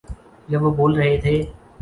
جب وہ بول رہے تھے۔